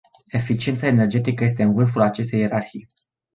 Eficiența energetică este în vârful acestei ierarhii.